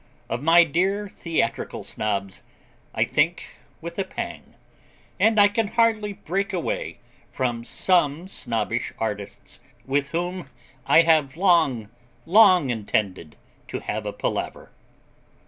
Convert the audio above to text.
Of my dear Theatrical Snobs I think with a pang; and I can hardly break away from some Snobbish artists, with whom I have long, long intended to have a palaver.